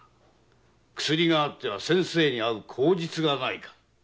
薬があっては先生に会う口実がないか。